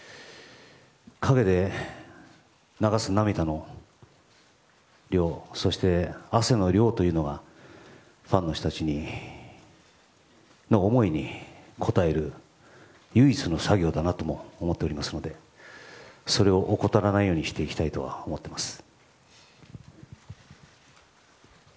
陰で流す涙の量そして、汗の量というのはファンの人たちの思いに応える唯一の作業だなとも思っておりますのでそれを怠らないようにしていきたいと思っております。